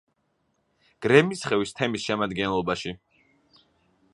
გრემისხევის თემის შემადგენლობაში.